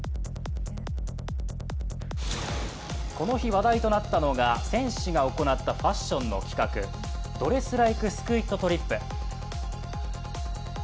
この日、話題となったのが選手が行ったファッションの企画、ドレス・ライクスクイッド・トリップ。